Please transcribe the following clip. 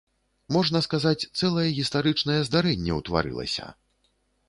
Можна сказаць, цэлае гістарычнае здарэнне ўтварылася.